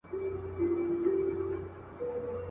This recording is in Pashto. يوه ورځ د لوى ځنگله په يوه كونج كي.